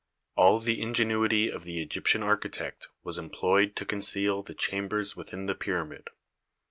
All the ingenuity of the Egyptian architect was employed to conceal the chambers within the pyramid.